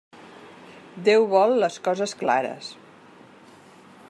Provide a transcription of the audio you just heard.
Déu vol les coses clares.